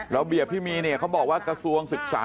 ระเบียบที่มีเนี่ยเขาบอกว่ากระทรวงศึกษา